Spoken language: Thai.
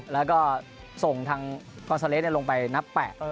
แล้วก็ส่งทางคอนซาเลสลงไปนับแปะ